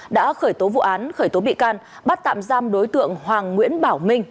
đã khởi tố vụ án khởi tố bị can bắt tạm giam đối tượng hoàng nguyễn bảo minh